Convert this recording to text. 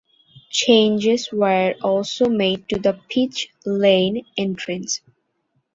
Changes were also made to the pit lane entrance.